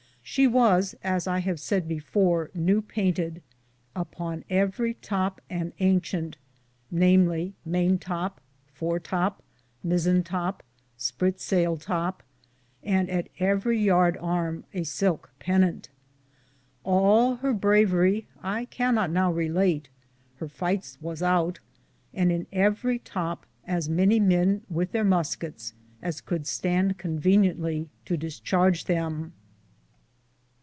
She was, as I have saide before, new paynted (upon everie topp an anshante,^ viz., mayne top, fore top, myssen top, sprid saile top, and at everie yardes arme a silke penante). All her braurie^ I cannot now relate ; her faightes^ was oute, and in everie top as many men, with their musketes, as coulde stande conveniently to descharge them.